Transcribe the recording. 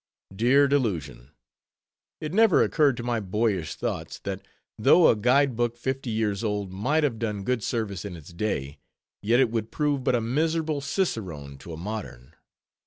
Dear delusion! It never occurred to my boyish thoughts, that though a guide book, fifty years old, might have done good service in its day, yet it would prove but a miserable cicerone to a modern.